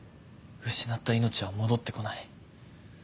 失った命は戻ってこない。